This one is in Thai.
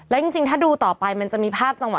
แล้วจริงถ้าดูต่อไปมันจะมีภาพจังหว